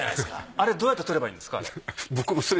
あれどうやって取ればいいんですかあれ？